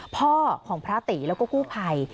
พ่อของพระตีแล้วก็กู้ภัย